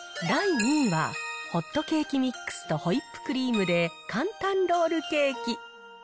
第２位は、ホットケーキミックスとホイップクリームで簡単ロールケーキ。